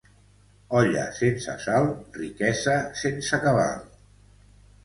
Olla sense sal, riquesa sense cabal.